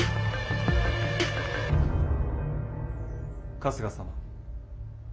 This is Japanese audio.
・春日様。